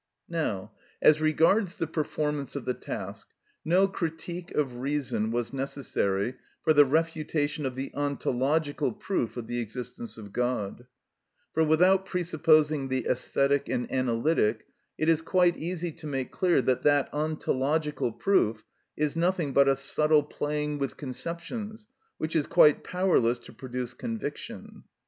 Now, as regards the performance of the task, no critique of reason was necessary for the refutation of the ontological proof of the existence of God; for without presupposing the æsthetic and analytic, it is quite easy to make clear that that ontological proof is nothing but a subtle playing with conceptions which is quite powerless to produce conviction.